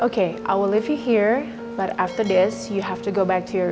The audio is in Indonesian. saya ingin berbicara dengan ibu saya untuk sebentar